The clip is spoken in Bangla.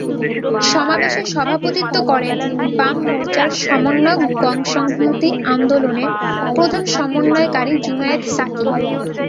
সমাবেশে সভাপতিত্ব করেন বাম মোর্চার সমন্বয়ক গণসংহতি আন্দোলনের প্রধান সমন্বয়কারী জুনায়েদ সাকী।